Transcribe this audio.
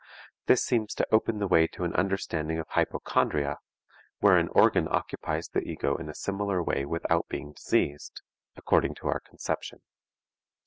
This seems to open the way to an understanding of hypochondria, where an organ occupies the ego in a similar way without being diseased, according to our conception.